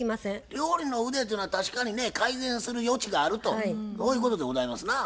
料理の腕っていうのは確かにね改善する余地があるとこういうことでございますな。